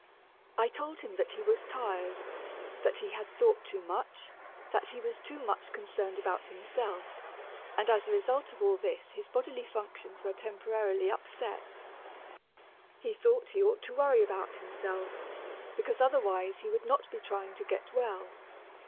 I told him that he was tired, that he had thought too much, that he was too much concerned about himself, and that as a result of all this his bodily functions were temporarily upset. He thought he ought to worry about himself, because otherwise he would not be trying to get well.